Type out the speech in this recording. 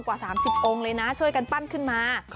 กว่า๓๐องค์เลยนะช่วยกันปั้นขึ้นมา